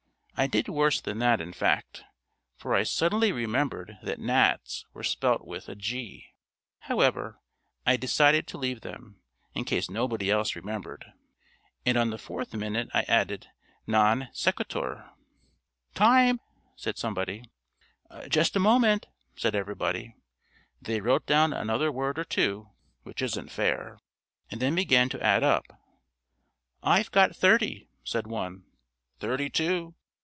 I did worse than that in fact; for I suddenly remembered that gnats were spelt with a G. However, I decided to leave them, in case nobody else remembered. And on the fourth minute I added Non sequitur. "Time!" said somebody. "Just a moment," said everybody. They wrote down another word or two (which isn't fair), and then began to add up. "I've got thirty," said one. "Thirty two."